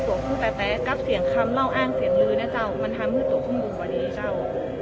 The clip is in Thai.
ตัวสุดแปปแป๊บกั๊บเสียงคำเล่าอ้างเสียงลืมนะเจ้ามันทำให้ตัวคุณดูขวดิเจ้า